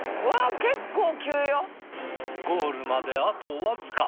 ゴールまであとわずか。